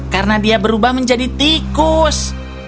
karena dia berubah menjadi tikus